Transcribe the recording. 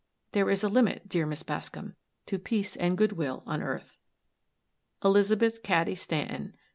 There is a limit, dear Miss Bascom, to peace and good will on earth. ELIZABETH CADY STANTON.